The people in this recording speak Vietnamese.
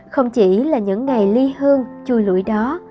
không chỉ là những ngày ly hương chui lũi đó